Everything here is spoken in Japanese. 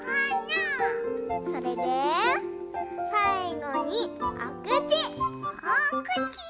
それでさいごにおくち！おくち！